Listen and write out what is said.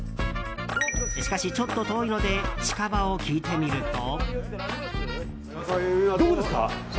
しかし、ちょっと遠いので近場を聞いてみると。